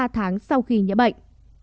ba tháng sau khi nhớ bệnh